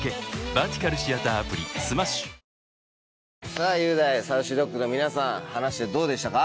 さぁ雄大ＳａｕｃｙＤｏｇの皆さん話してどうでしたか？